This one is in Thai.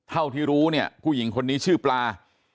เท่าที่รู้เนี่ยผู้หญิงคนนี้ชื่อปลา